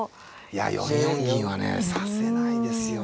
いや４四銀はね指せないですよ